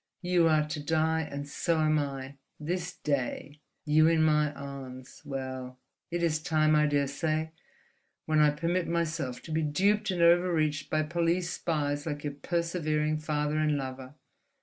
You are to die, and so am I, this day—you in my arms. Well, it is time, I daresay, when I permit myself to be duped and overreached by police spies like your persevering father and lover.